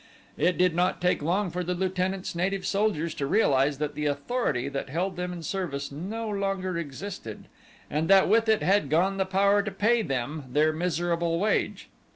It did not take long for the lieutenant's native soldiers to realize that the authority that held them in service no longer existed and that with it had gone the power to pay them their miserable wage.